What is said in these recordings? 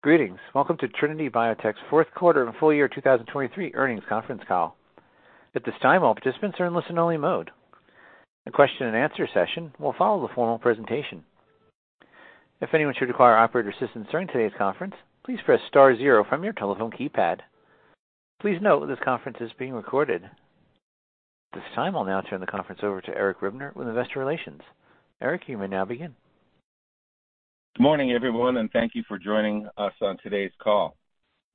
Greetings. Welcome to Trinity Biotech's fourth quarter and full year 2023 earnings conference call. At this time, all participants are in listen-only mode. A question and answer session will follow the formal presentation. If anyone should require operator assistance during today's conference, please press star zero from your telephone keypad. Please note, this conference is being recorded. At this time, I'll now turn the conference over to Eric Ribner with Investor Relations. Eric, you may now begin. Good morning, everyone, and thank you for joining us on today's call.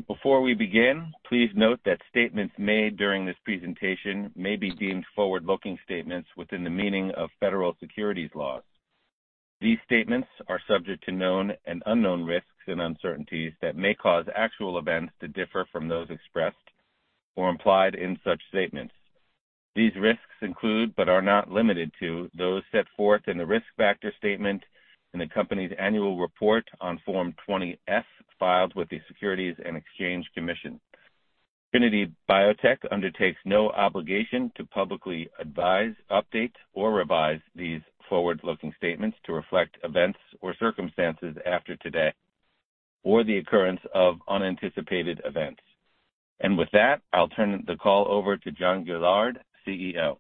Before we begin, please note that statements made during this presentation may be deemed forward-looking statements within the meaning of federal securities laws. These statements are subject to known and unknown risks and uncertainties that may cause actual events to differ from those expressed or implied in such statements. These risks include, but are not limited to, those set forth in the risk factor statement in the company's annual report on Form 20-F, filed with the Securities and Exchange Commission. Trinity Biotech undertakes no obligation to publicly advise, update, or revise these forward-looking statements to reflect events or circumstances after today or the occurrence of unanticipated events. With that, I'll turn the call over to John Gillard, CEO.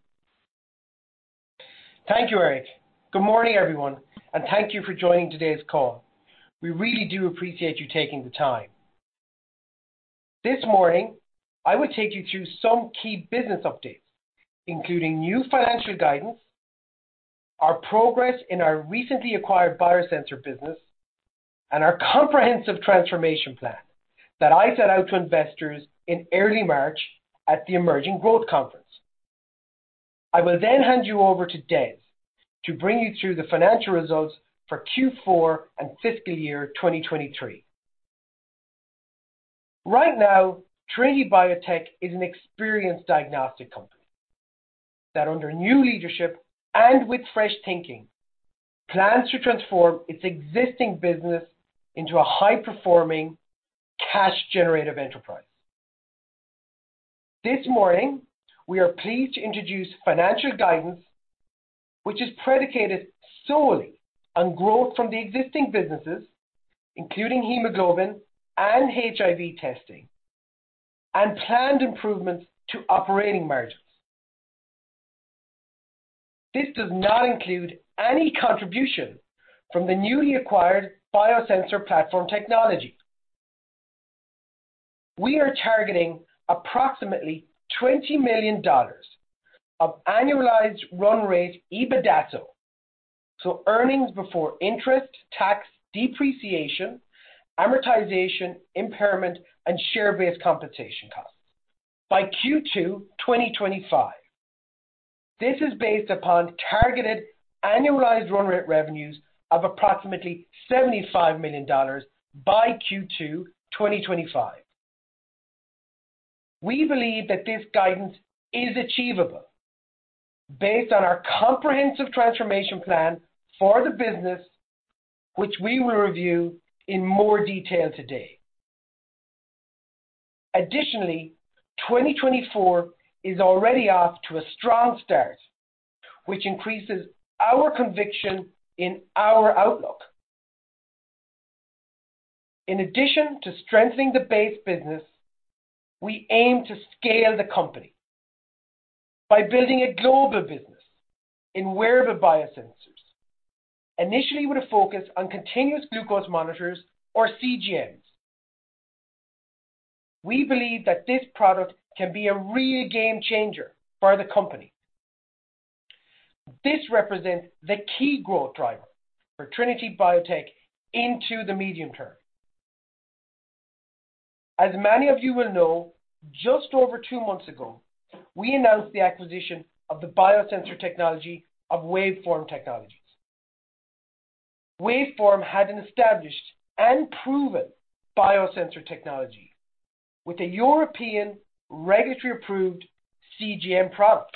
Thank you, Eric. Good morning, everyone, and thank you for joining today's call. We really do appreciate you taking the time. This morning, I will take you through some key business updates, including new financial guidance, our progress in our recently acquired biosensor business, and our comprehensive transformation plan that I set out to investors in early March at the Emerging Growth Conference. I will then hand you over to Des to bring you through the financial results for Q4 and fiscal year 2023. Right now, Trinity Biotech is an experienced diagnostic company that, under new leadership and with fresh thinking, plans to transform its existing business into a high-performing, cash-generative enterprise. This morning, we are pleased to introduce financial guidance, which is predicated solely on growth from the existing businesses, including hemoglobin and HIV testing, and planned improvements to operating margins. This does not include any contribution from the newly acquired biosensor platform technology. We are targeting approximately $20 million of annualized run rate EBITDA, so earnings before interest, tax, depreciation, amortization, impairment, and share-based compensation costs by Q2 2025. This is based upon targeted annualized run rate revenues of approximately $75 million by Q2 2025. We believe that this guidance is achievable based on our comprehensive transformation plan for the business, which we will review in more detail today. Additionally, 2024 is already off to a strong start, which increases our conviction in our outlook. In addition to strengthening the base business, we aim to scale the company by building a global business in wearable biosensors, initially with a focus on continuous glucose monitors or CGMs. We believe that this product can be a real game changer for the company. This represents the key growth driver for Trinity Biotech into the medium term. As many of you will know, just over two months ago, we announced the acquisition of the biosensor technology of Waveform Technologies. Waveform had an established and proven biosensor technology with a European regulatory-approved CGM product.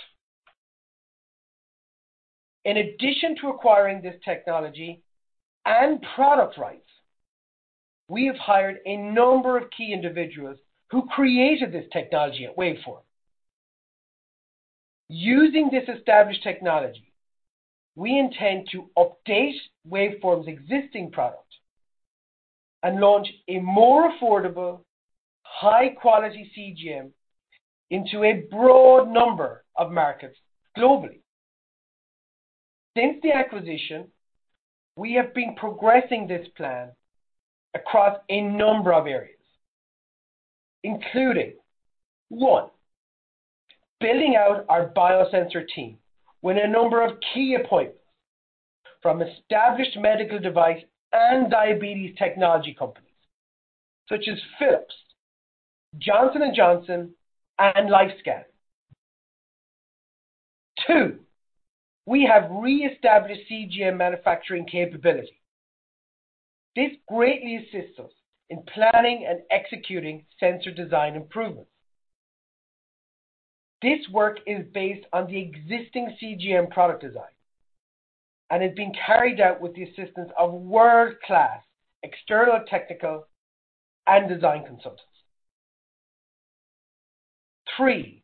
In addition to acquiring this technology and product rights, we have hired a number of key individuals who created this technology at Waveform. Using this established technology, we intend to update Waveform's existing product and launch a more affordable, high-quality CGM into a broad number of markets globally. Since the acquisition, we have been progressing this plan across a number of areas, including, one, building out our biosensor team with a number of key appointments from established medical device and diabetes technology companies such as Philips, Johnson & Johnson, and LifeScan. Two, we have reestablished CGM manufacturing capability. This greatly assists us in planning and executing sensor design improvements. This work is based on the existing CGM product design and has been carried out with the assistance of world-class external technical and design consultants.... Three,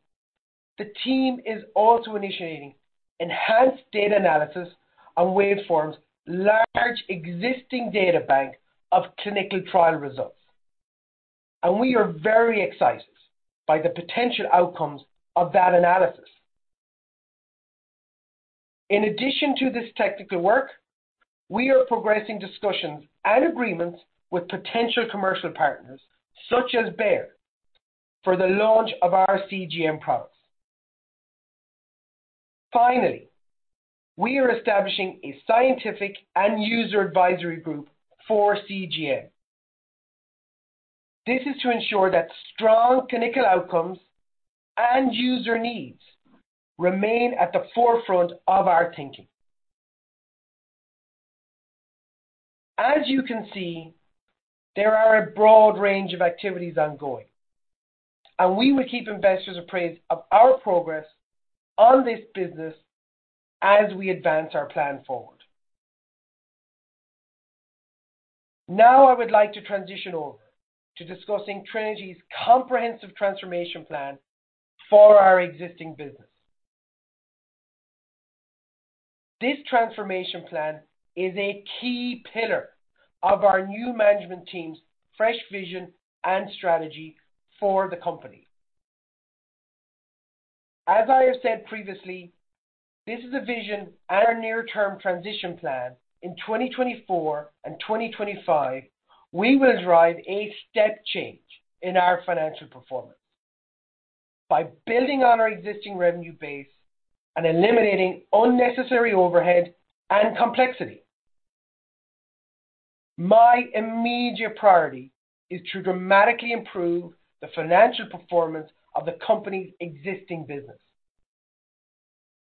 the team is also initiating enhanced data analysis on Waveform's large existing data bank of clinical trial results, and we are very excited by the potential outcomes of that analysis. In addition to this technical work, we are progressing discussions and agreements with potential commercial partners, such as Bayer, for the launch of our CGM products. Finally, we are establishing a scientific and user advisory group for CGM. This is to ensure that strong clinical outcomes and user needs remain at the forefront of our thinking. As you can see, there are a broad range of activities ongoing, and we will keep investors appraised of our progress on this business as we advance our plan forward. Now, I would like to transition over to discussing Trinity's comprehensive transformation plan for our existing business. This transformation plan is a key pillar of our new management team's fresh vision and strategy for the company. As I have said previously, this is a vision and our near-term transition plan. In 2024 and 2025, we will drive a step change in our financial performance by building on our existing revenue base and eliminating unnecessary overhead and complexity. My immediate priority is to dramatically improve the financial performance of the company's existing business.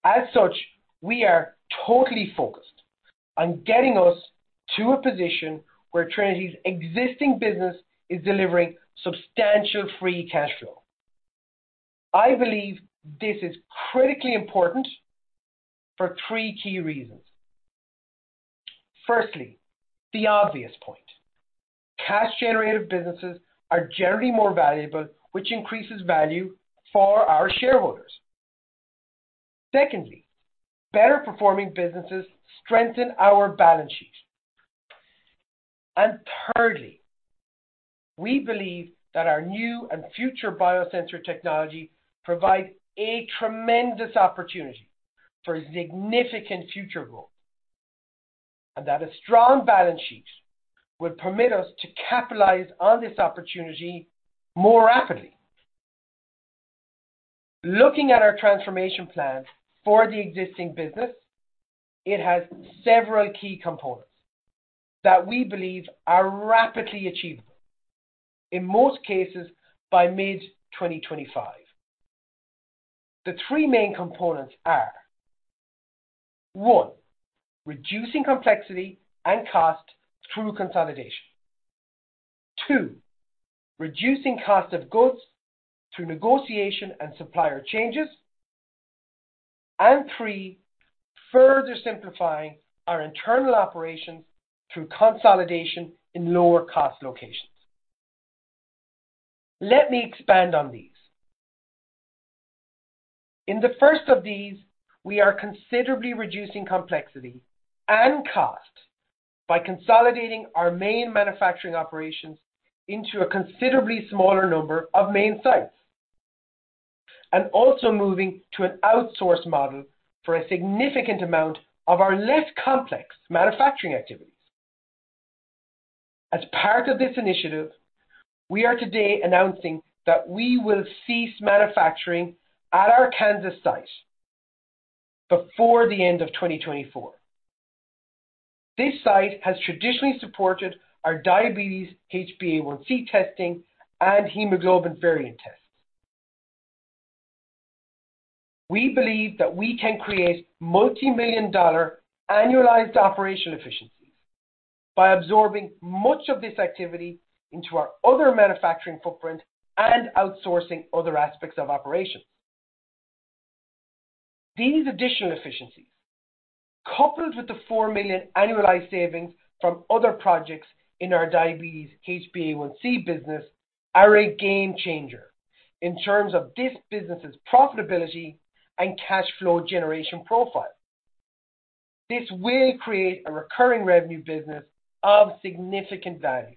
As such, we are totally focused on getting us to a position where Trinity's existing business is delivering substantial free cash flow. I believe this is critically important for three key reasons. Firstly, the obvious point, cash-generative businesses are generally more valuable, which increases value for our shareholders. Secondly, better performing businesses strengthen our balance sheet. And thirdly, we believe that our new and future biosensor technology provide a tremendous opportunity for significant future growth, and that a strong balance sheet will permit us to capitalize on this opportunity more rapidly. Looking at our transformation plan for the existing business, it has several key components that we believe are rapidly achievable, in most cases, by mid-2025. The three main components are: one, reducing complexity and cost through consolidation. Two, reducing cost of goods through negotiation and supplier changes. And three, further simplifying our internal operations through consolidation in lower-cost locations. Let me expand on these. In the first of these, we are considerably reducing complexity and cost by consolidating our main manufacturing operations into a considerably smaller number of main sites, and also moving to an outsource model for a significant amount of our less complex manufacturing activities. As part of this initiative, we are today announcing that we will cease manufacturing at our Kansas site before the end of 2024. This site has traditionally supported our diabetes HbA1c testing and hemoglobin variant tests. We believe that we can create multimillion-dollar annualized operational efficiencies by absorbing much of this activity into our other manufacturing footprint and outsourcing other aspects of operations. These additional efficiencies, coupled with the $4 million annualized savings from other projects in our diabetes HbA1c business, are a game changer in terms of this business's profitability and cash flow generation profile. This will create a recurring revenue business of significant value.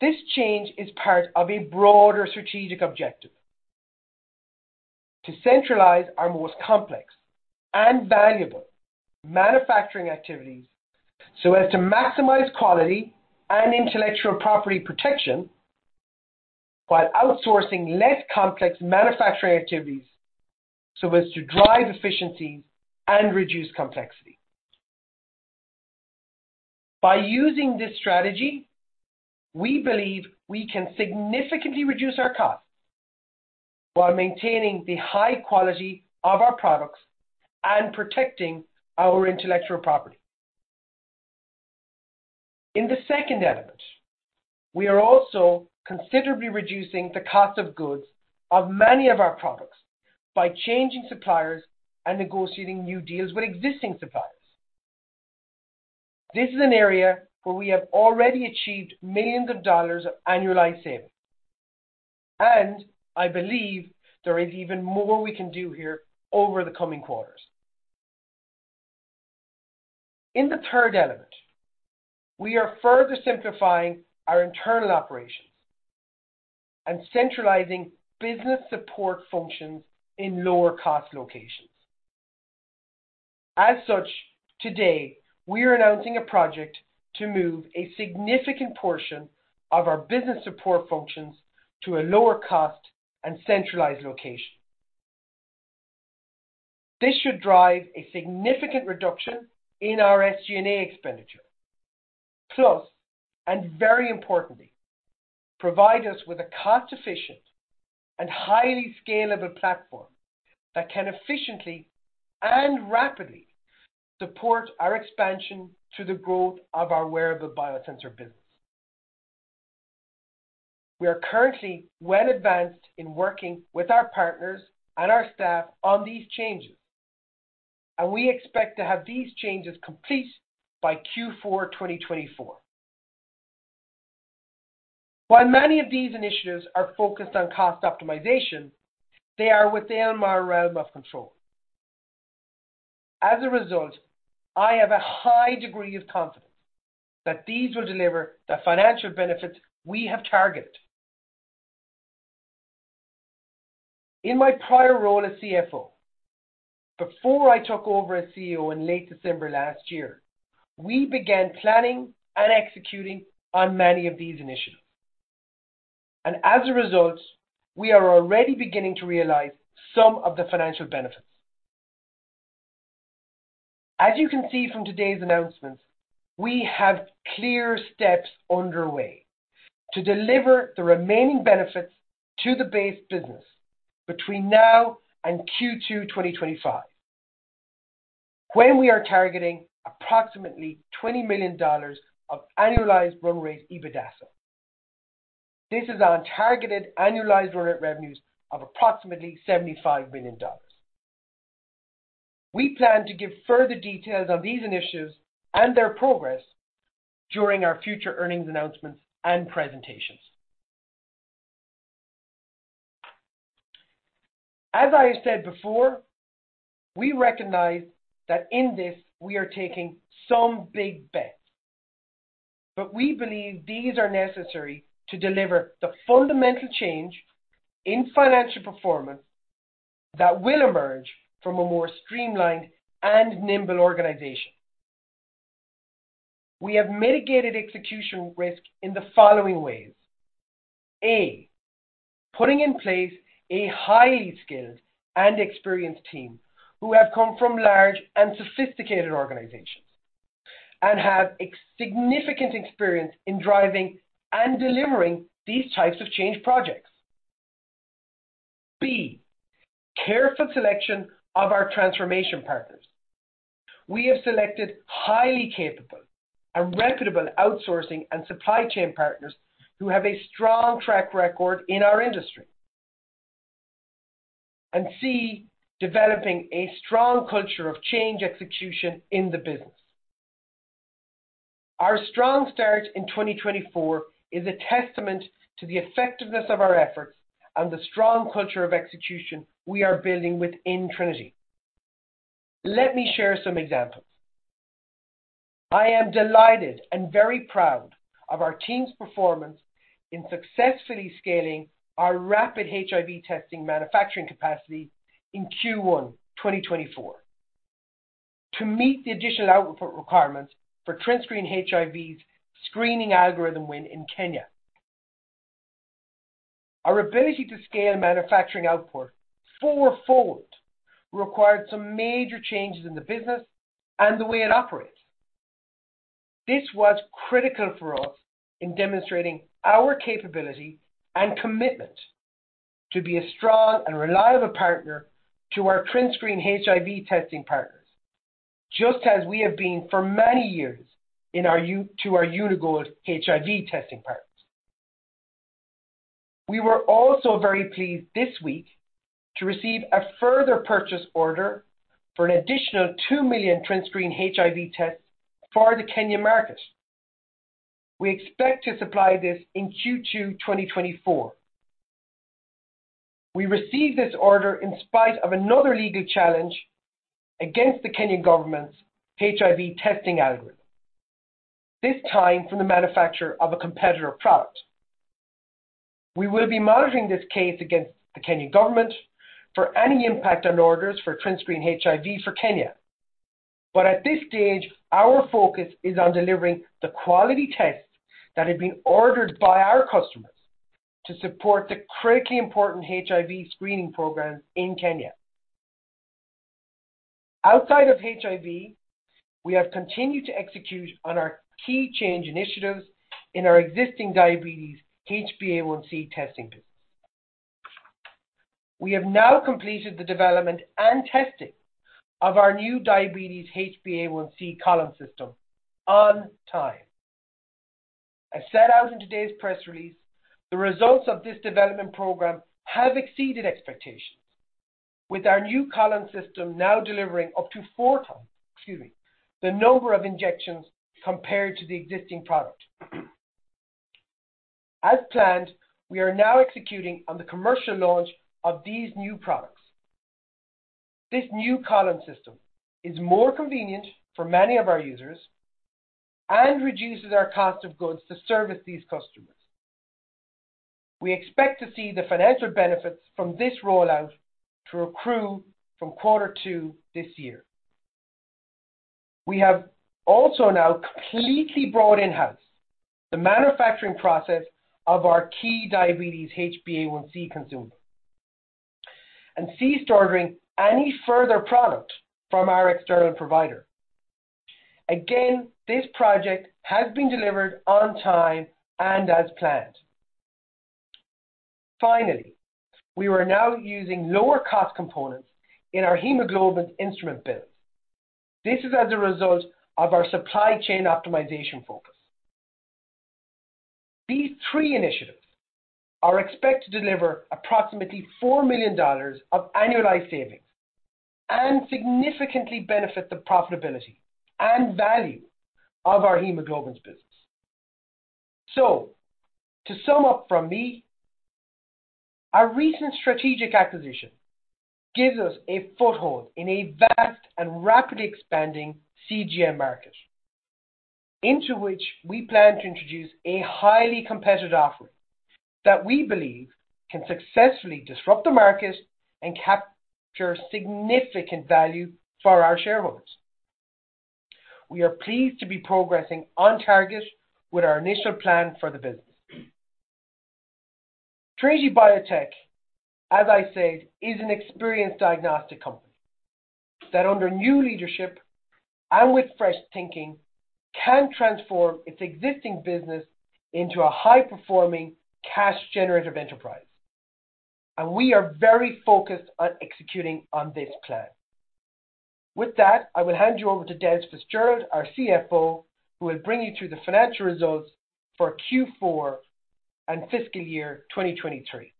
This change is part of a broader strategic objective: to centralize our most complex and valuable manufacturing activities so as to maximize quality and intellectual property protection, while outsourcing less complex manufacturing activities so as to drive efficiencies and reduce complexity. By using this strategy, we believe we can significantly reduce our costs while maintaining the high quality of our products and protecting our intellectual property. In the second element, we are also considerably reducing the cost of goods of many of our products by changing suppliers and negotiating new deals with existing suppliers.... This is an area where we have already achieved $ millions of annualized savings, and I believe there is even more we can do here over the coming quarters. In the third element, we are further simplifying our internal operations and centralizing business support functions in lower cost locations. As such, today, we are announcing a project to move a significant portion of our business support functions to a lower cost and centralized location. This should drive a significant reduction in our SG&A expenditure, plus, and very importantly, provide us with a cost-efficient and highly scalable platform that can efficiently and rapidly support our expansion through the growth of our wearable biosensor business. We are currently well advanced in working with our partners and our staff on these changes, and we expect to have these changes complete by Q4 2024. While many of these initiatives are focused on cost optimization, they are within our realm of control. As a result, I have a high degree of confidence that these will deliver the financial benefits we have targeted. In my prior role as CFO, before I took over as CEO in late December last year, we began planning and executing on many of these initiatives, and as a result, we are already beginning to realize some of the financial benefits. As you can see from today's announcements, we have clear steps underway to deliver the remaining benefits to the base business between now and Q2, 2025, when we are targeting approximately $20 million of annualized run rate EBITDA. This is on targeted annualized run rate revenues of approximately $75 million. We plan to give further details on these initiatives and their progress during our future earnings announcements and presentations. As I said before, we recognize that in this, we are taking some big bets, but we believe these are necessary to deliver the fundamental change in financial performance that will emerge from a more streamlined and nimble organization. We have mitigated execution risk in the following ways: A, putting in place a highly skilled and experienced team who have come from large and sophisticated organizations, and have significant experience in driving and delivering these types of change projects. B, careful selection of our transformation partners. We have selected highly capable and reputable outsourcing and supply chain partners who have a strong track record in our industry. And C, developing a strong culture of change execution in the business. Our strong start in 2024 is a testament to the effectiveness of our efforts and the strong culture of execution we are building within Trinity. Let me share some examples. I am delighted and very proud of our team's performance in successfully scaling our rapid HIV testing manufacturing capacity in Q1 2024 to meet the additional output requirements for TrinScreen HIV's screening algorithm win in Kenya. Our ability to scale manufacturing output fourfold required some major changes in the business and the way it operates. This was critical for us in demonstrating our capability and commitment to be a strong and reliable partner to our TrinScreen HIV testing partners, just as we have been for many years in our to our Uni-Gold HIV testing partners. We were also very pleased this week to receive a further purchase order for an additional 2 million TrinScreen HIV tests for the Kenyan market. We expect to supply this in Q2 2024. We received this order in spite of another legal challenge against the Kenyan government's HIV testing algorithm, this time from the manufacturer of a competitor product. We will be monitoring this case against the Kenyan government for any impact on orders for TrinScreen HIV for Kenya. But at this stage, our focus is on delivering the quality tests that have been ordered by our customers to support the critically important HIV screening programs in Kenya. Outside of HIV, we have continued to execute on our key change initiatives in our existing diabetes HbA1c testing business. We have now completed the development and testing of our new diabetes HbA1c column system on time.... As set out in today's press release, the results of this development program have exceeded expectations, with our new column system now delivering up to four times, excuse me, the number of injections compared to the existing product. As planned, we are now executing on the commercial launch of these new products. This new column system is more convenient for many of our users and reduces our cost of goods to service these customers. We expect to see the financial benefits from this rollout to accrue from quarter two this year. We have also now completely brought in-house the manufacturing process of our key diabetes HbA1c consumable, and ceased ordering any further product from our external provider. Again, this project has been delivered on time and as planned. Finally, we are now using lower cost components in our hemoglobin instrument builds. This is as a result of our supply chain optimization focus. These three initiatives are expected to deliver approximately $4 million of annualized savings and significantly benefit the profitability and value of our hemoglobins business. So to sum up from me, our recent strategic acquisition gives us a foothold in a vast and rapidly expanding CGM market, into which we plan to introduce a highly competitive offering that we believe can successfully disrupt the market and capture significant value for our shareholders. We are pleased to be progressing on target with our initial plan for the business. Trinity Biotech, as I said, is an experienced diagnostic company, that under new leadership and with fresh thinking, can transform its existing business into a high-performing, cash-generative enterprise, and we are very focused on executing on this plan. With that, I will hand you over to Des Fitzgerald, our CFO, who will bring you through the financial results for Q4 and fiscal year 2023.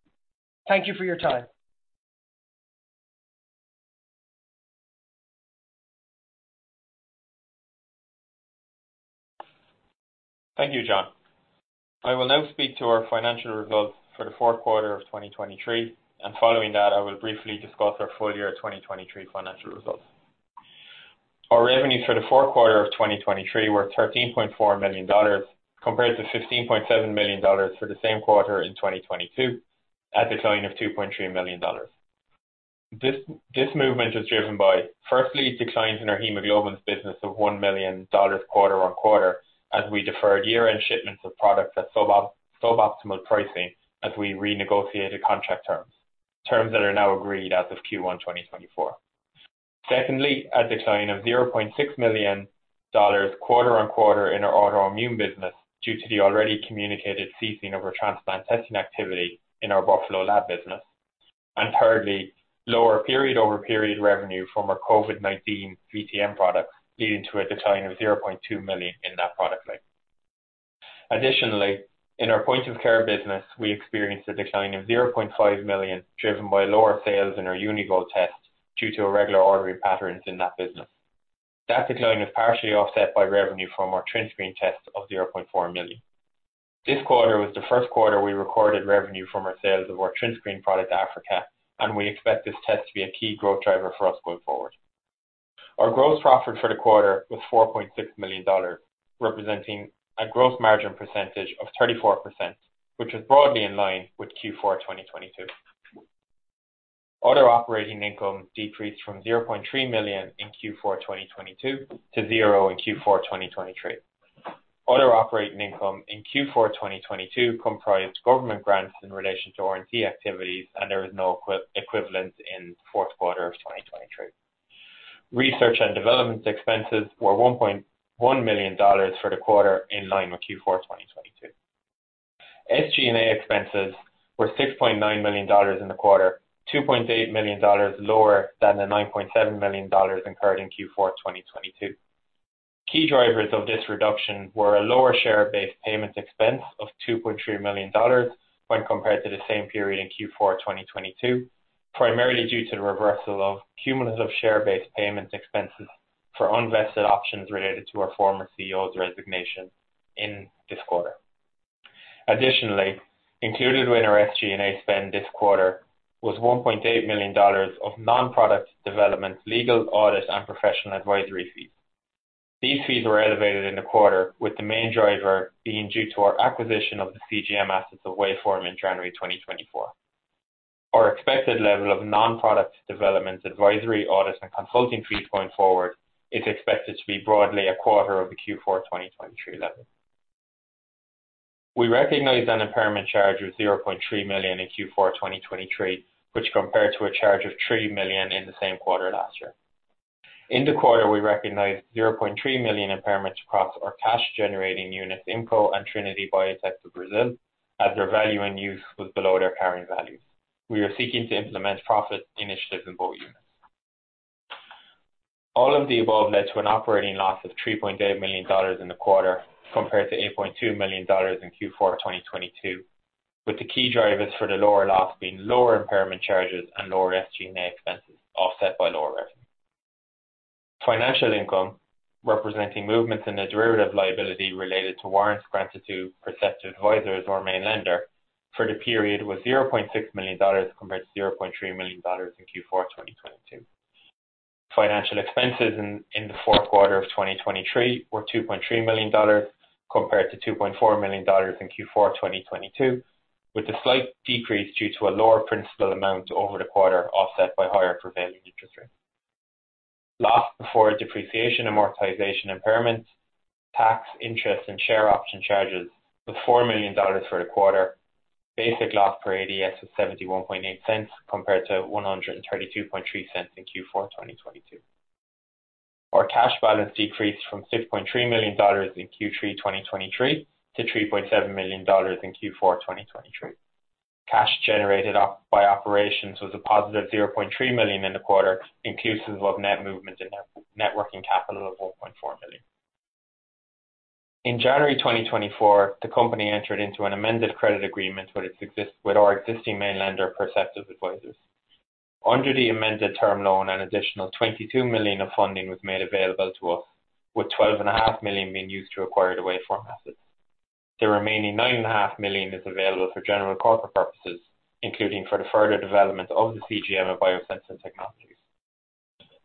Thank you for your time. Thank you, John. I will now speak to our financial results for the fourth quarter of 2023, and following that, I will briefly discuss our full year 2023 financial results. Our revenues for the fourth quarter of 2023 were $13.4 million, compared to $15.7 million for the same quarter in 2022, a decline of $2.3 million. This movement was driven by, firstly, declines in our hemoglobins business of $1 million quarter on quarter, as we deferred year-end shipments of products at suboptimal pricing as we renegotiated contract terms, terms that are now agreed as of Q1 2024. Secondly, a decline of $0.6 million quarter on quarter in our autoimmune business, due to the already communicated ceasing of our transplant testing activity in our Buffalo lab business. Thirdly, lower period-over-period revenue from our COVID-19 VTM products, leading to a decline of $0.2 million in that product line. Additionally, in our point-of-care business, we experienced a decline of $0.5 million, driven by lower sales in our Uni-Gold test, due to irregular ordering patterns in that business. That decline was partially offset by revenue from our TrinScreen test of $0.4 million. This quarter was the first quarter we recorded revenue from our sales of our TrinScreen product to Africa, and we expect this test to be a key growth driver for us going forward. Our gross profit for the quarter was $4.6 million, representing a gross margin percentage of 34%, which is broadly in line with Q4 2022. Other operating income decreased from $0.3 million in Q4 2022 to zero in Q4 2023. Other operating income in Q4 2022 comprised government grants in relation to R&D activities, and there is no equivalent in the fourth quarter of 2023. Research and development expenses were $1.1 million for the quarter, in line with Q4 2022. SG&A expenses were $6.9 million in the quarter, $2.8 million lower than the $9.7 million incurred in Q4 2022. Key drivers of this reduction were a lower share-based payment expense of $2.3 million when compared to the same period in Q4 2022, primarily due to the reversal of cumulative share-based payment expenses for unvested options related to our former CEO's resignation in this quarter. Additionally, included within our SG&A spend this quarter was $1.8 million of non-product development, legal, audit, and professional advisory fees. These fees were elevated in the quarter, with the main driver being due to our acquisition of the CGM assets of Waveform in January 2024. Our expected level of non-product development, advisory, audit, and consulting fees going forward is expected to be broadly a quarter of the Q4 2023 level. We recognized an impairment charge of $0.3 million in Q4 2023, which compared to a charge of $3 million in the same quarter last year. In the quarter, we recognized $0.3 million impairments across our cash-generating units, Immco and Trinity Biotech do Brasil, as their value and use was below their carrying values. We are seeking to implement profit initiatives in both units. All of the above led to an operating loss of $3.8 million in the quarter, compared to $8.2 million in Q4 2022, with the key drivers for the lower loss being lower impairment charges and lower SG&A expenses, offset by lower revenue. Financial income, representing movements in the derivative liability related to warrants granted to Perceptive Advisors, our main lender, for the period, was $0.6 million, compared to $0.3 million in Q4 2022. Financial expenses in the fourth quarter of 2023 were $2.3 million, compared to $2.4 million in Q4 2022, with a slight decrease due to a lower principal amount over the quarter, offset by higher prevailing interest rates. Loss before depreciation, amortization, impairment, tax, interest, and share option charges was $4 million for the quarter. Basic loss per ADS was $0.718, compared to $1.323 in Q4 2022. Our cash balance decreased from $6.3 million in Q3 2023 to $3.7 million in Q4 2023. Cash generated by operations was a positive $0.3 million in the quarter, inclusive of net movement in networking capital of $1.4 million. In January 2024, the company entered into an amended credit agreement with our existing main lender, Perceptive Advisors. Under the amended term loan, an additional $22 million of funding was made available to us, with $12.5 million being used to acquire the Waveform assets. The remaining $9.5 million is available for general corporate purposes, including for the further development of the CGM and biosensor technologies.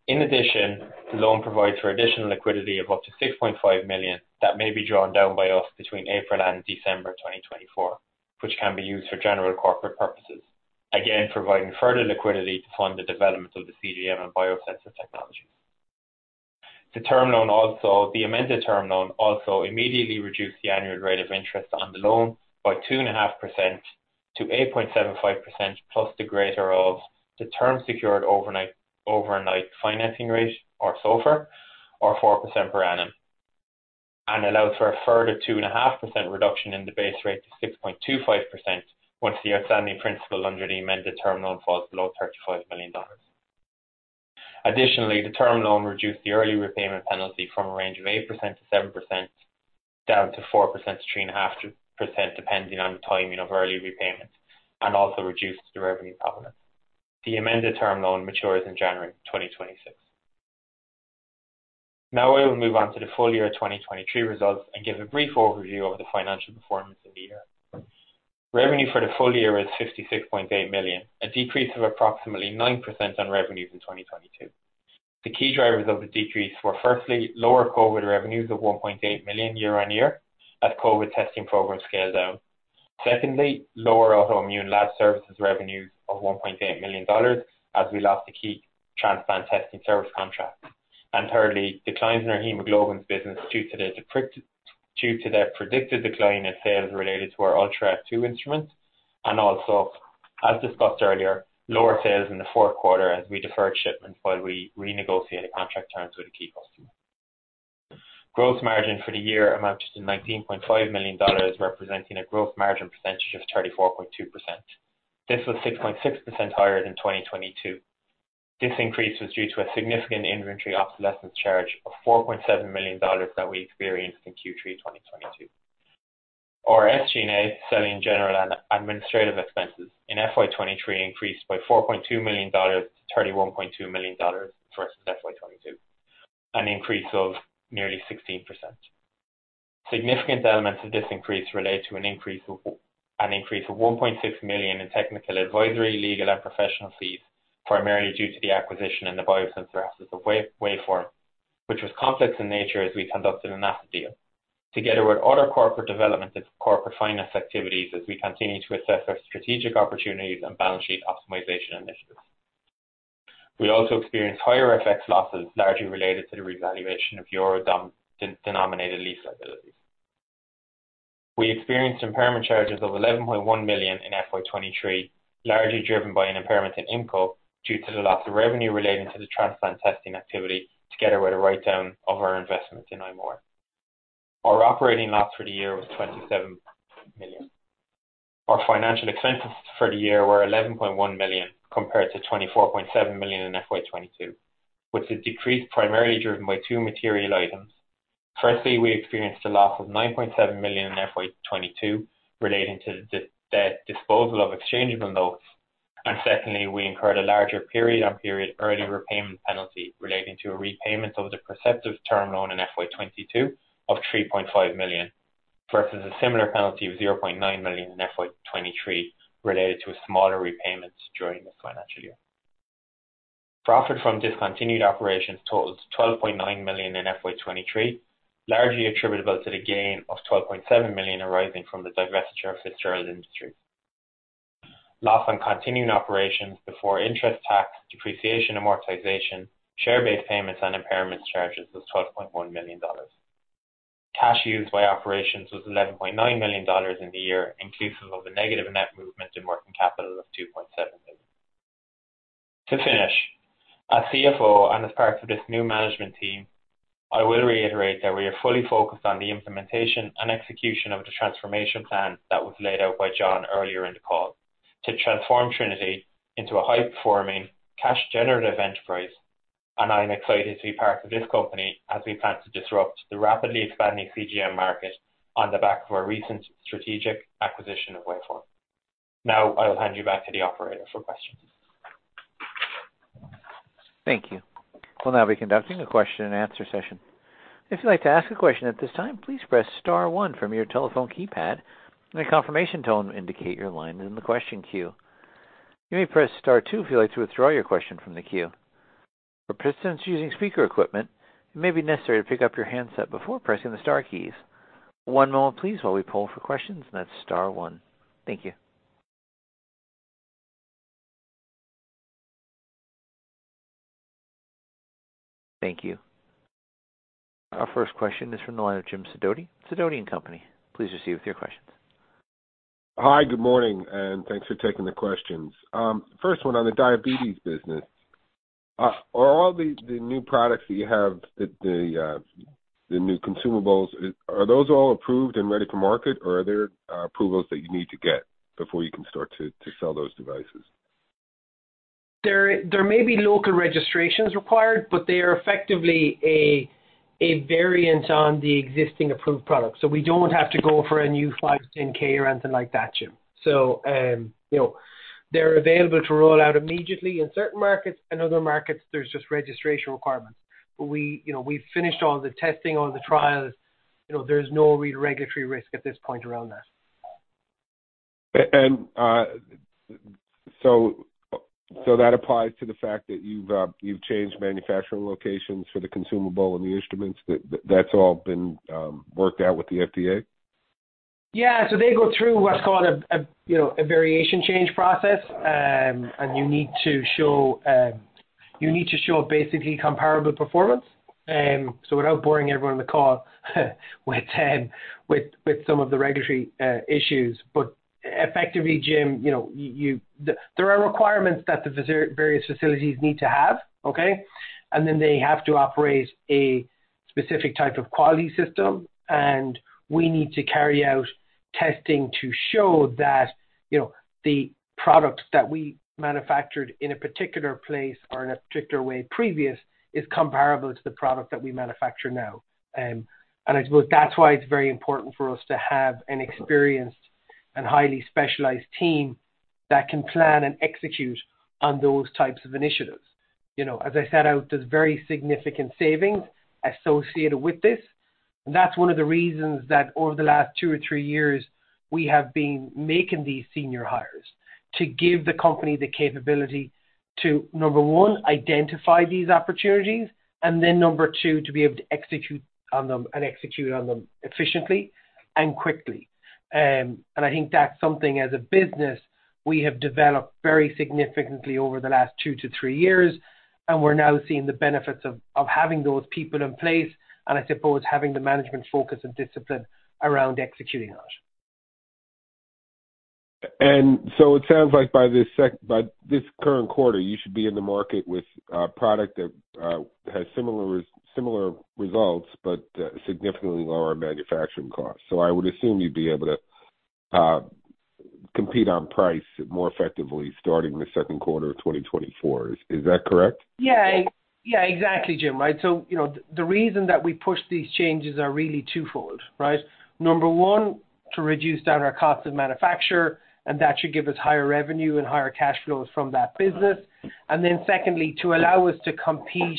In addition, the loan provides for additional liquidity of up to $6.5 million that may be drawn down by us between April and December 2024, which can be used for general corporate purposes. Again, providing further liquidity to fund the development of the CGM and biosensor technologies. The amended term loan also immediately reduced the annual rate of interest on the loan by 2.5%-8.75%, plus the greater of the term secured overnight, overnight financing rate, or SOFR, or 4% per annum. Allows for a further 2.5% reduction in the base rate to 6.25%, once the outstanding principal under the amended term loan falls below $35 million. Additionally, the term loan reduced the early repayment penalty from a range of 8%-7%, down to 4%-3.5%, depending on the timing of early repayment, and also reduced the revenue covenant. The amended term loan matures in January 2026. Now I will move on to the full year 2023 results and give a brief overview of the financial performance of the year. Revenue for the full year was $66.8 million, a decrease of approximately 9% on revenues in 2022. The key drivers of the decrease were, firstly, lower COVID revenues of $1.8 million year-on-year, as COVID testing programs scaled down. Secondly, lower autoimmune lab services revenues of $1.8 million, as we lost a key transplant testing service contract. And thirdly, declines in our hemoglobins business, due to the predicted decline in sales related to our Ultra2 instrument, and also, as discussed earlier, lower sales in the fourth quarter as we deferred shipments while we renegotiated contract terms with a key customer. Gross margin for the year amounted to $19.5 million, representing a gross margin percentage of 34.2%. This was 6.6% higher than 2022. This increase was due to a significant inventory obsolescence charge of $4.7 million that we experienced in Q3 2022. Our SG&A, selling general and administrative expenses, in FY 2023 increased by $4.2 million to $31.2 million versus FY 2022, an increase of nearly 16%. Significant elements of this increase relate to an increase of $1.6 million in technical, advisory, legal, and professional fees, primarily due to the acquisition and the biosensor assets of Waveform, which was complex in nature as we conducted an asset deal. Together with other corporate development and corporate finance activities as we continue to assess our strategic opportunities and balance sheet optimization initiatives. We also experienced higher FX losses, largely related to the revaluation of euro-denominated lease liabilities. We experienced impairment charges of $11.1 million in FY 2023, largely driven by an impairment in Immco, due to the loss of revenue relating to the transplant testing activity, together with the write-down of our investment in Imutex. Our operating loss for the year was $27 million. Our financial expenses for the year were $11.1 million, compared to $24.7 million in FY 2022, with the decrease primarily driven by two material items. Firstly, we experienced a loss of $9.7 million in FY 2022 relating to the disposal of exchangeable notes. And secondly, we incurred a larger period-on-period early repayment penalty relating to a repayment of the Perceptive term loan in FY 2022 of $3.5 million, versus a similar penalty of $0.9 million in FY 2023, related to a smaller repayment during this financial year. Profit from discontinued operations totaled $12.9 million in FY 2023, largely attributable to the gain of $12.7 million arising from the divestiture of Fitzgerald Industries. Loss on continuing operations before interest, tax, depreciation, amortization, share-based payments, and impairment charges was $12.1 million. Cash used by operations was $11.9 million in the year, inclusive of a negative net movement in working capital of $2.7 million. To finish, as CFO and as part of this new management team-... I will reiterate that we are fully focused on the implementation and execution of the transformation plan that was laid out by John earlier in the call, to transform Trinity into a high-performing, cash-generative enterprise. I'm excited to be part of this company as we plan to disrupt the rapidly expanding CGM market on the back of our recent strategic acquisition of Waveform. Now, I'll hand you back to the operator for questions. Thank you. We'll now be conducting a question and answer session. If you'd like to ask a question at this time, please press star one from your telephone keypad, and a confirmation tone will indicate your line in the question queue. You may press star two if you'd like to withdraw your question from the queue. For participants using speaker equipment, it may be necessary to pick up your handset before pressing the star keys. One moment please, while we poll for questions, and that's star one. Thank you. Thank you. Our first question is from the line of Jim Sidoti, Sidoti & Company. Please proceed with your questions. Hi, good morning, and thanks for taking the questions. First one on the diabetes business. Are all the new products that you have, the new consumables, are those all approved and ready for market, or are there approvals that you need to get before you can start to sell those devices? There may be local registrations required, but they are effectively a variant on the existing approved product, so we don't have to go for a new 510(k) or anything like that, Jim. So, you know, they're available to roll out immediately in certain markets. In other markets, there's just registration requirements. But we, you know, we've finished all the testing, all the trials. You know, there's no regulatory risk at this point around that. And so that applies to the fact that you've changed manufacturing locations for the consumable and the instruments, that's all been worked out with the FDA? Yeah, so they go through what's called a variation change process. And you need to show basically comparable performance. So without boring everyone on the call, with some of the regulatory issues. But effectively, Jim, you know, there are requirements that various facilities need to have, okay? And then they have to operate a specific type of quality system, and we need to carry out testing to show that, you know, the products that we manufactured in a particular place or in a particular way previous, is comparable to the product that we manufacture now. And I suppose that's why it's very important for us to have an experienced and highly specialized team that can plan and execute on those types of initiatives. You know, as I set out, there's very significant savings associated with this, and that's one of the reasons that over the last 2 years or 3 years, we have been making these senior hires. To give the company the capability to, number 1, identify these opportunities, and then Number 2, to be able to execute on them and execute on them efficiently and quickly. And I think that's something, as a business, we have developed very significantly over the last 2 to 3 years, and we're now seeing the benefits of, of having those people in place, and I suppose having the management focus and discipline around executing it. And so it sounds like by this current quarter, you should be in the market with a product that has similar results, but significantly lower manufacturing costs. So I would assume you'd be able to compete on price more effectively starting in the second quarter of 2024. Is that correct? Yeah. Yeah, exactly, Jim. Right, so, you know, the reason that we pushed these changes are really twofold, right? Number one, to reduce down our cost of manufacture, and that should give us higher revenue and higher cash flows from that business. And then secondly, to allow us to compete in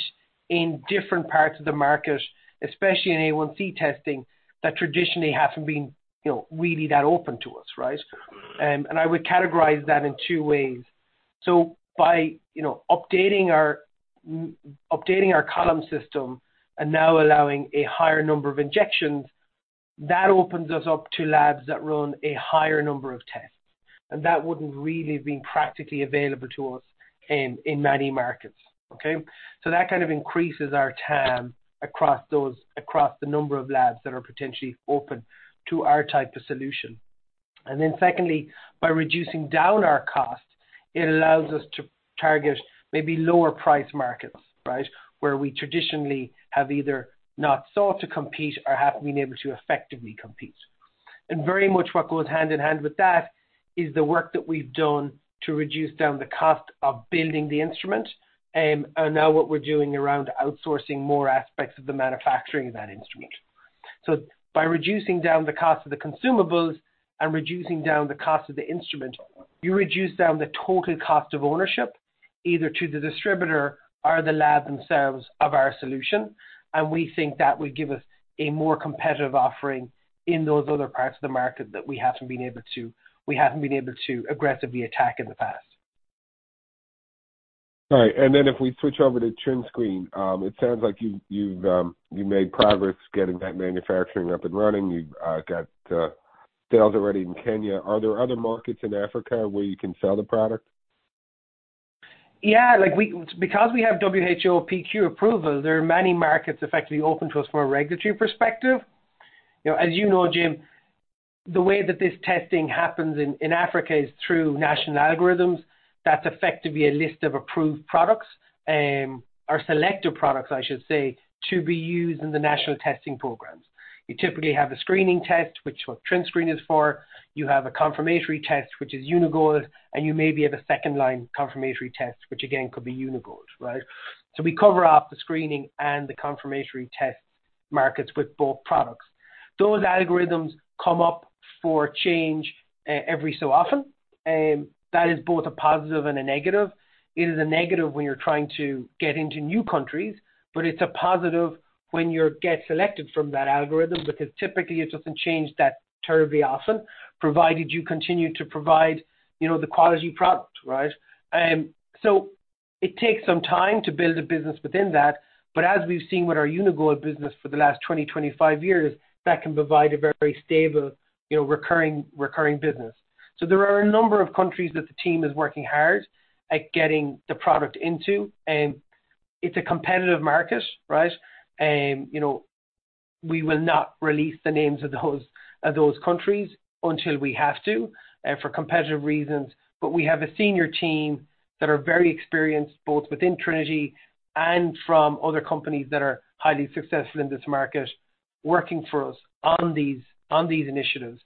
different parts of the market, especially in A1C testing, that traditionally hasn't been, you know, really that open to us, right? And I would categorize that in two ways. So by, you know, updating our column system and now allowing a higher number of injections, that opens us up to labs that run a higher number of tests, and that wouldn't really have been practically available to us in many markets. Okay? So that kind of increases our TAM across those, across the number of labs that are potentially open to our type of solution. And then secondly, by reducing down our cost, it allows us to target maybe lower price markets, right? Where we traditionally have either not sought to compete or haven't been able to effectively compete. And very much what goes hand in hand with that, is the work that we've done to reduce down the cost of building the instrument. And now what we're doing around outsourcing more aspects of the manufacturing of that instrument. So by reducing down the cost of the consumables and reducing down the cost of the instrument, you reduce down the total cost of ownership, either to the distributor or the lab themselves, of our solution. We think that will give us a more competitive offering in those other parts of the market that we haven't been able to, we haven't been able to aggressively attack in the past. All right. And then if we switch over to TrinScreen, it sounds like you've made progress getting that manufacturing up and running. You've got sales already in Kenya. Are there other markets in Africa where you can sell the product? Yeah, because we have WHO PQ approval, there are many markets effectively open to us from a regulatory perspective. You know, as you know, Jim, the way that this testing happens in Africa is through national algorithms. That's effectively a list of approved products, or selective products, I should say, to be used in the national testing programs. You typically have a screening test, which what TrinScreen is for. You have a confirmatory test, which is Uni-Gold, and you maybe have a second line confirmatory test, which again could be Uni-Gold, right? So we cover off the screening and the confirmatory test markets with both products. Those algorithms come up for change every so often, that is both a positive and a negative. It is a negative when you're trying to get into new countries, but it's a positive when you get selected from that algorithm, because typically it doesn't change that terribly often, provided you continue to provide, you know, the quality product, right? So it takes some time to build a business within that, but as we've seen with our Uni-Gold business for the last 20 years, 25 years, that can provide a very stable, you know, recurring, recurring business. So there are a number of countries that the team is working hard at getting the product into, and it's a competitive market, right? You know, we will not release the names of those, of those countries until we have to, for competitive reasons. But we have a senior team that are very experienced, both within Trinity and from other companies that are highly successful in this market, working for us on these initiatives.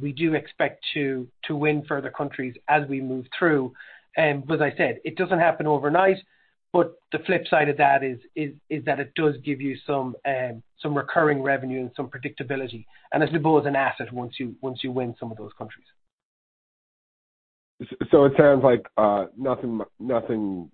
We do expect to win further countries as we move through. But as I said, it doesn't happen overnight, but the flip side of that is that it does give you some recurring revenue and some predictability, and it builds an asset once you win some of those countries. So it sounds like, nothing, nothing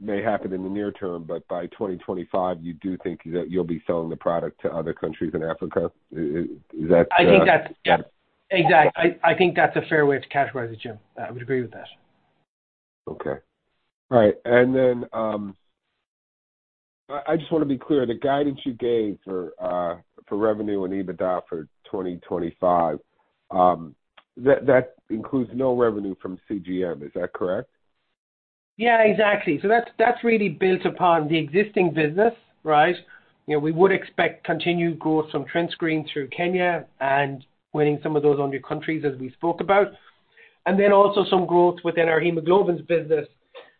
may happen in the near term, but by 2025, you do think that you'll be selling the product to other countries in Africa? Is that- I think that's— Yeah, exactly. I think that's a fair way to categorize it, Jim. I would agree with that. Okay. All right. And then I just wanna be clear, the guidance you gave for revenue and EBITDA for 2025, that includes no revenue from CGM, is that correct? Yeah, exactly. So that's, that's really built upon the existing business, right? You know, we would expect continued growth from TrinScreen through Kenya and winning some of those other countries, as we spoke about. And then also some growth within our hemoglobins business,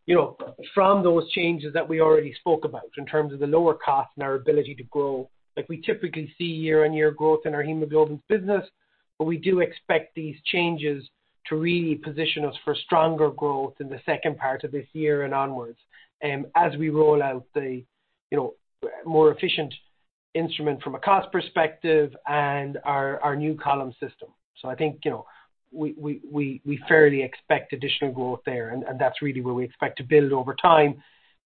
you know, from those changes that we already spoke about, in terms of the lower cost and our ability to grow. Like, we typically see year-on-year growth in our hemoglobins business, but we do expect these changes to really position us for stronger growth in the second part of this year and onwards, as we roll out the, you know, more efficient instrument from a cost perspective and our, our new column system. I think, you know, we fairly expect additional growth there, and that's really where we expect to build over time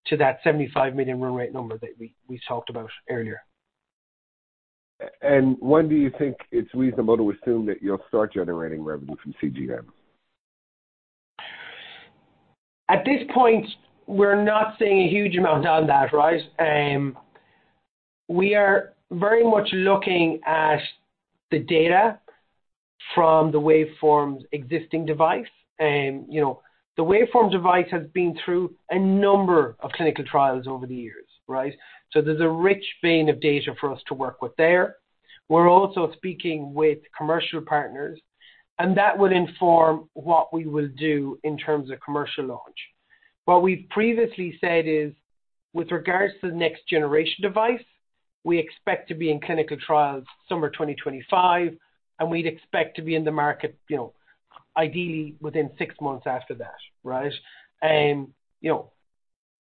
to that $75 million run rate number that we talked about earlier. When do you think it's reasonable to assume that you'll start generating revenue from CGM? At this point, we're not seeing a huge amount on that, right? We are very much looking at the data from the Waveform's existing device. You know, the Waveform device has been through a number of clinical trials over the years, right? So there's a rich vein of data for us to work with there. We're also speaking with commercial partners, and that would inform what we will do in terms of commercial launch. What we've previously said is, with regards to the next generation device, we expect to be in clinical trials summer 2025, and we'd expect to be in the market, you know, ideally within six months after that, right? You know,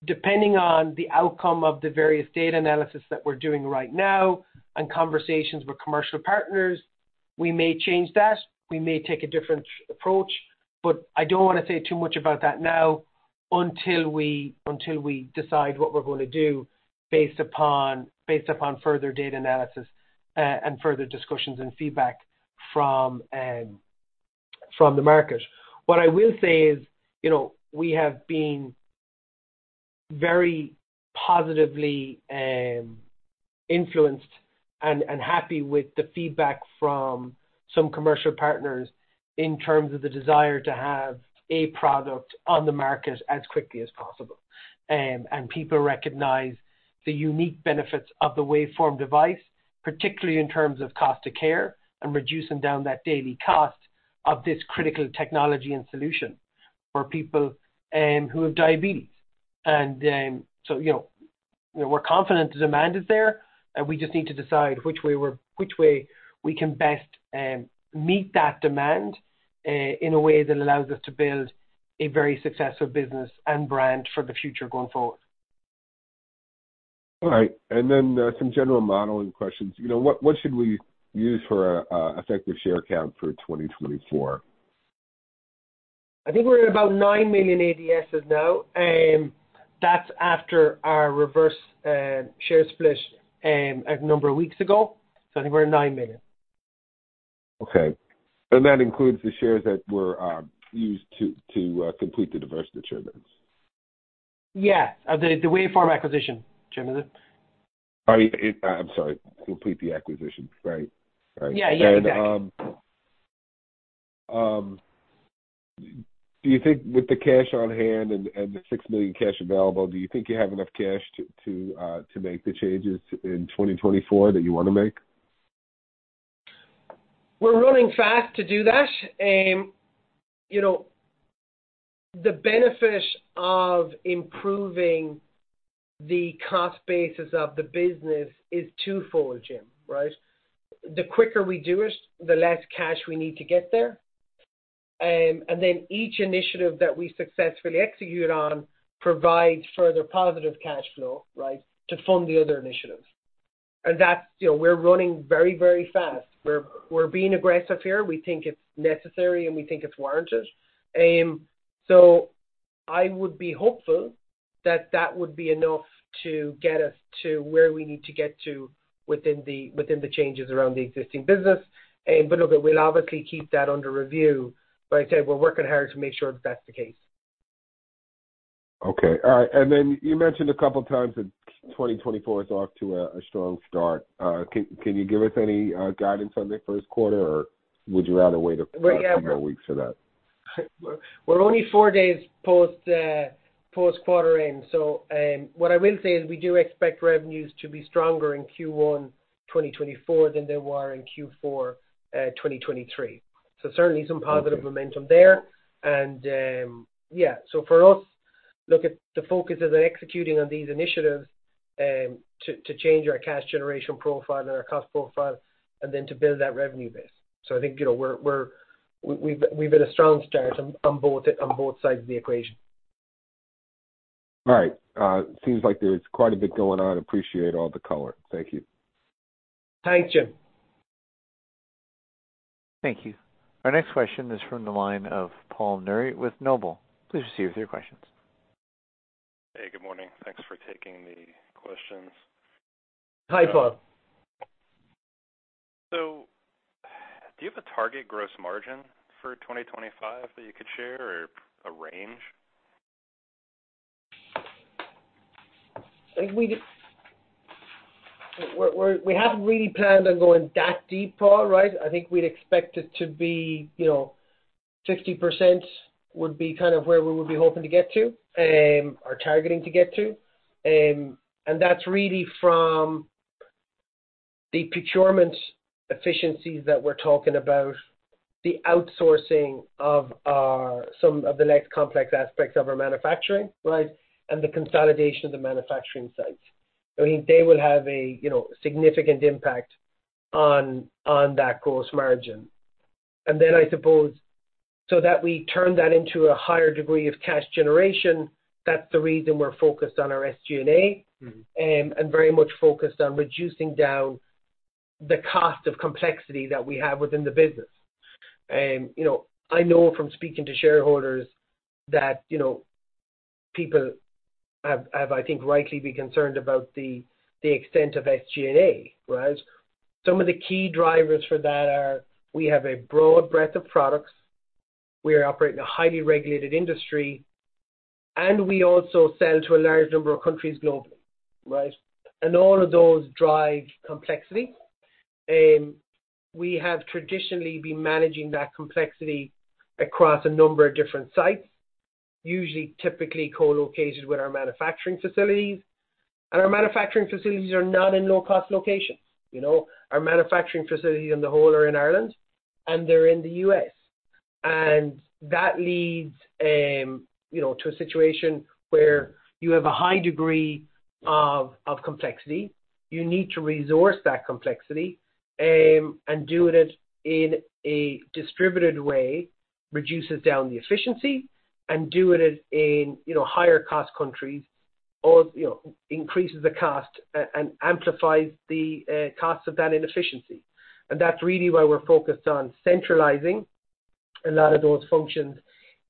depending on the outcome of the various data analysis that we're doing right now and conversations with commercial partners, we may change that. We may take a different approach, but I don't wanna say too much about that now until we decide what we're gonna do, based upon further data analysis, and further discussions and feedback from the market. What I will say is, you know, we have been very positively influenced and happy with the feedback from some commercial partners in terms of the desire to have a product on the market as quickly as possible. And people recognize the unique benefits of the Waveform device, particularly in terms of cost of care and reducing down that daily cost of this critical technology and solution for people who have diabetes. You know, we're confident the demand is there. We just need to decide which way we can best meet that demand in a way that allows us to build a very successful business and brand for the future going forward. All right. And then, some general modeling questions. You know, what should we use for effective share count for 2024? I think we're at about 9 million ADSs now. That's after our reverse share split a number of weeks ago. So I think we're at 9 million. Okay. And that includes the shares that were used to complete the Waveform acquisition? Yeah, the Waveform acquisition, Jim, is it? I'm sorry, complete the acquisition. Right. Right. Yeah. Yeah, exactly.... Do you think with the cash on hand and the $6 million cash available, do you think you have enough cash to make the changes in 2024 that you want to make? We're running fast to do that. You know, the benefit of improving the cost basis of the business is twofold, Jim, right? The quicker we do it, the less cash we need to get there. And then each initiative that we successfully execute on provides further positive cash flow, right, to fund the other initiatives. And that's, you know, we're running very, very fast. We're being aggressive here. We think it's necessary, and we think it's warranted. So I would be hopeful that that would be enough to get us to where we need to get to within the changes around the existing business. But look, we'll obviously keep that under review, but I'd say we're working hard to make sure that's the case. Okay. All right. And then you mentioned a couple of times that 2024 is off to a strong start. Can you give us any guidance on the first quarter, or would you rather wait a couple more weeks for that? We're only four days post quarter end. So, what I will say is we do expect revenues to be stronger in Q1 2024 than they were in Q4 2023. So certainly some positive momentum there. And, yeah. So for us, look at the focus of executing on these initiatives, to change our cash generation profile and our cost profile, and then to build that revenue base. So I think, you know, we've made a strong start on both sides of the equation. All right. Seems like there's quite a bit going on. Appreciate all the color. Thank you. Thanks, Jim. Thank you. Our next question is from the line of Paul Nouri with Noble. Please proceed with your questions. Hey, good morning. Thanks for taking the questions. Hi, Paul. Do you have a target gross margin for 2025 that you could share or a range? I think we'd expect it to be, you know, 50% would be kind of where we would be hoping to get to, or targeting to get to. And that's really from the procurement efficiencies that we're talking about, the outsourcing of our, some of the less complex aspects of our manufacturing, right? And the consolidation of the manufacturing sites. I mean, they will have a, you know, significant impact on, on that gross margin. And then I suppose, so that we turn that into a higher degree of cash generation, that's the reason we're focused on our SG&A- Mm-hmm. and very much focused on reducing down the cost of complexity that we have within the business. You know, I know from speaking to shareholders that, you know, people have, I think, rightly be concerned about the extent of SG&A, right? Some of the key drivers for that are, we have a broad breadth of products, we are operating a highly regulated industry, and we also sell to a large number of countries globally, right? And all of those drive complexity. We have traditionally been managing that complexity across a number of different sites, usually typically co-located with our manufacturing facilities. And our manufacturing facilities are not in low-cost locations. You know, our manufacturing facilities on the whole are in Ireland, and they're in the U.S. And that leads, you know, to a situation where you have a high degree of complexity. You need to resource that complexity, and doing it in a distributed way reduces down the efficiency, and doing it in, you know, higher cost countries or, you know, increases the cost and amplifies the cost of that inefficiency. And that's really why we're focused on centralizing a lot of those functions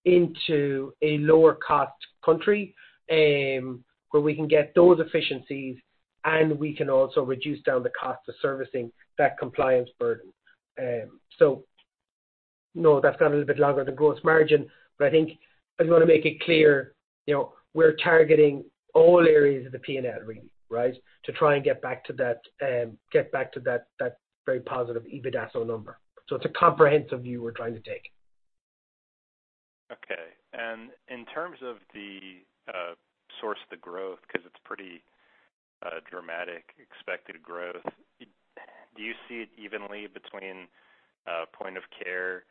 into a lower cost country, where we can get those efficiencies, and we can also reduce down the cost of servicing that compliance burden. So no, that's gone a little bit longer, the gross margin, but I think I want to make it clear, you know, we're targeting all areas of the P&L really, right? To try and get back to that, get back to that, that very positive EBITDA number. So it's a comprehensive view we're trying to take. Okay. And in terms of the source of the growth, because it's pretty dramatic expected growth, do you see it evenly between point of care and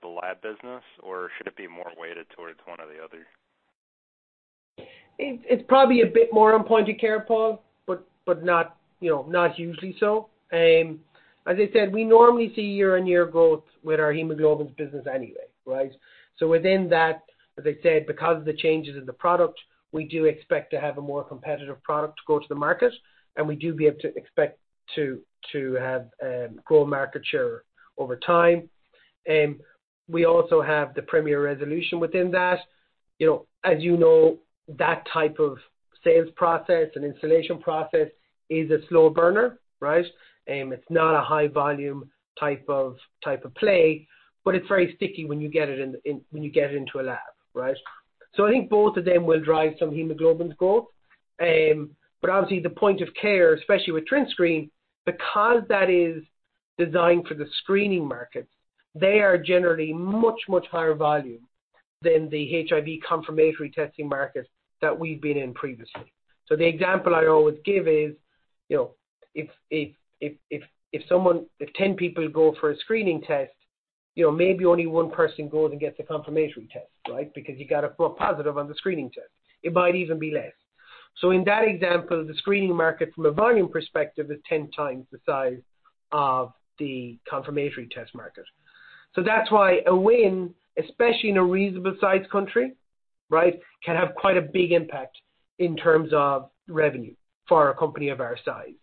the lab business, or should it be more weighted towards one or the other? It's probably a bit more on point of care, Paul, but not, you know, not hugely so. As I said, we normally see year-over-year growth with our hemoglobins business anyway, right? So within that, as I said, because of the changes in the product, we do expect to have a more competitive product to go to the market, and we do expect to be able to grow market share over time. We also have the Premier Resolution within that. You know, as you know, that type of sales process and installation process is a slow burner, right? It's not a high volume type of play, but it's very sticky when you get into a lab, right? So I think both of them will drive some hemoglobins growth... But obviously the point of care, especially with TrinScreen, because that is designed for the screening market, they are generally much, much higher volume than the HIV confirmatory testing market that we've been in previously. So the example I always give is, you know, if 10 people go for a screening test, you know, maybe only one person goes and gets a confirmation test, right? Because you got a false positive on the screening test. It might even be less. So in that example, the screening market from a volume perspective, is 10 times the size of the confirmatory test market. So that's why a win, especially in a reasonable sized country, right, can have quite a big impact in terms of revenue for a company of our size.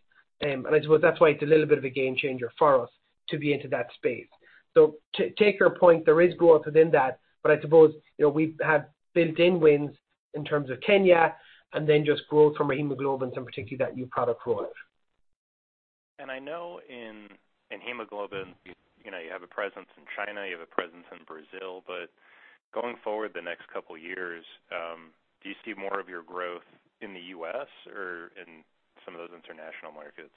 I suppose that's why it's a little bit of a game changer for us to be into that space. To take your point, there is growth within that, but I suppose, you know, we have built-in wins in terms of Kenya and then just growth from hemoglobin, some particularly that new product rollout. I know in hemoglobin, you know, you have a presence in China, you have a presence in Brazil, but going forward the next couple of years, do you see more of your growth in the U.S. or in some of those international markets?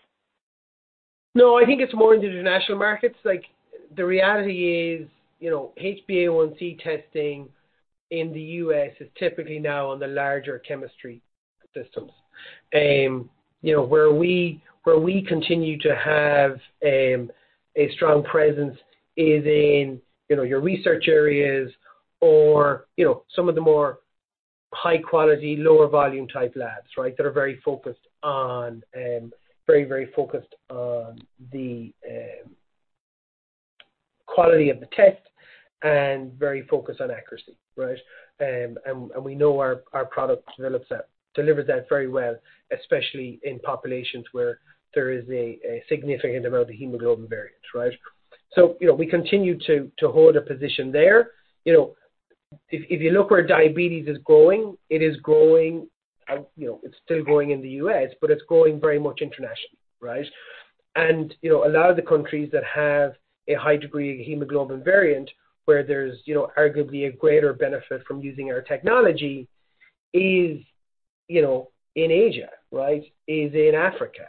No, I think it's more in the international markets. Like, the reality is, you know, HbA1c testing in the U.S. is typically now on the larger chemistry systems. You know, where we continue to have a strong presence is in, you know, your research areas or, you know, some of the more high quality, lower volume type labs, right? That are very focused on very, very focused on the quality of the test and very focused on accuracy, right? And we know our product delivers that very well, especially in populations where there is a significant amount of hemoglobin variants, right? So, you know, we continue to hold a position there. You know, if you look where diabetes is growing, it is growing, you know, it's still growing in the U.S., but it's growing very much internationally, right? And, you know, a lot of the countries that have a high degree of hemoglobin variant where there's, you know, arguably a greater benefit from using our technology is, you know, in Asia, right? Is in Africa,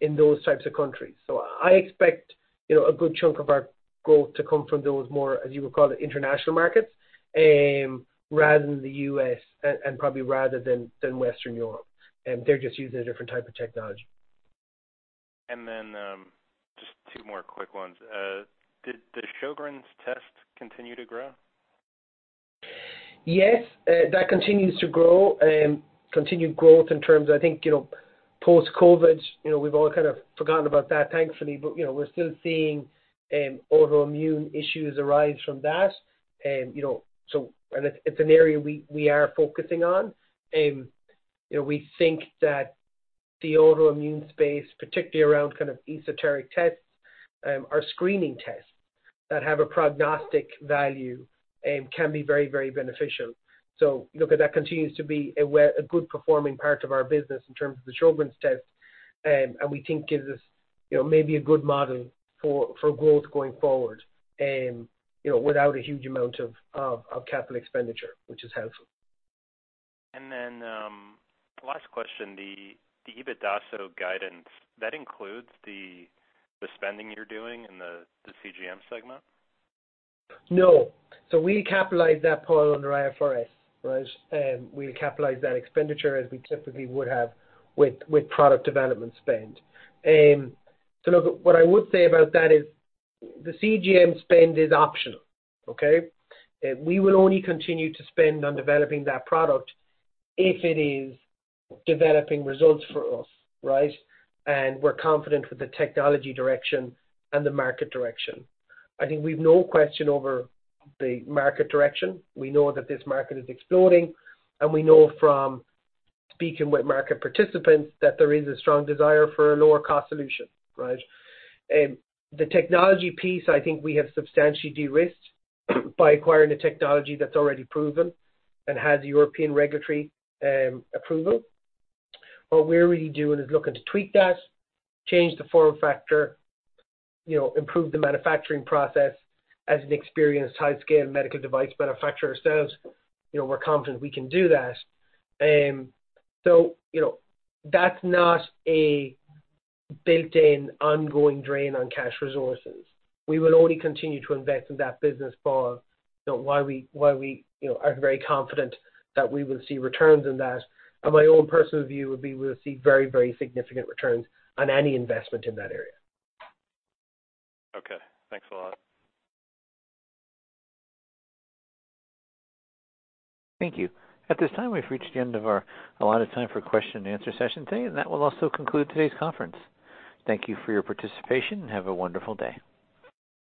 in those types of countries. So I expect, you know, a good chunk of our growth to come from those more, as you would call it, international markets, rather than the U.S. and probably rather than Western Europe, they're just using a different type of technology. And then, just two more quick ones. Did the Sjögren's test continue to grow? Yes, that continues to grow. Continued growth in terms of, I think, you know, post-COVID, you know, we've all kind of forgotten about that, thankfully. But, you know, we're still seeing autoimmune issues arise from that. You know, so and it's, it's an area we, we are focusing on. You know, we think that the autoimmune space, particularly around kind of esoteric tests, are screening tests that have a prognostic value, can be very, very beneficial. So look, that continues to be a good performing part of our business in terms of the Sjögren's test, and we think gives us, you know, maybe a good model for growth going forward, you know, without a huge amount of capital expenditure, which is helpful. Then, last question. The EBITDASO guidance, that includes the spending you're doing in the CGM segment? No. So we capitalize that, Paul, on our IFRS, right? We capitalize that expenditure as we typically would have with product development spend. So look, what I would say about that is the CGM spend is optional, okay? We will only continue to spend on developing that product if it is developing results for us, right? And we're confident with the technology direction and the market direction. I think we've no question over the market direction. We know that this market is exploding, and we know from speaking with market participants that there is a strong desire for a lower cost solution, right? The technology piece, I think we have substantially de-risked by acquiring the technology that's already proven and has European regulatory approval. What we're really doing is looking to tweak that, change the form factor, you know, improve the manufacturing process. As an experienced, large-scale medical device manufacturer ourselves, you know, we're confident we can do that. So, you know, that's not a built-in, ongoing drain on cash resources. We will only continue to invest in that business, Paul, so while we, while we, you know, are very confident that we will see returns on that, and my own personal view would be we will see very, very significant returns on any investment in that area. Okay, thanks a lot. Thank you. At this time, we've reached the end of our allotted time for question and answer session today, and that will also conclude today's conference. Thank you for your participation, and have a wonderful day.